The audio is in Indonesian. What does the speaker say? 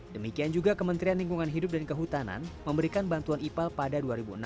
demikian juga kementerian lingkungan hidup dan kehutanan memberikan bantuan ipal pada dua ribu enam belas